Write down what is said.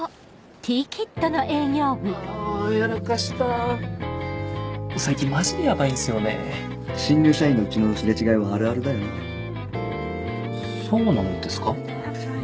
あやらかした最近マジでヤバ新入社員のうちの擦れ違いはあるあるだよそうなんですか？